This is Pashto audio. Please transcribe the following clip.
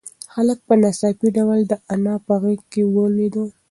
هلک په ناڅاپي ډول د انا په غېږ کې ولوېد.